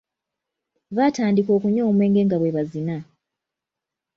Baatandika okunywa omwenge nga bwe bazina.